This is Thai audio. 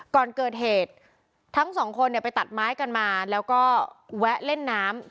ก่อนเกิดเหตุทั้งสองคนเนี่ยไปตัดไม้กันมาแล้วก็แวะเล่นน้ำ